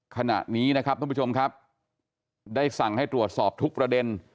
ขณะนี้นะครับท่านผู้ชมครับได้สั่งให้ตรวจสอบทุกประเด็น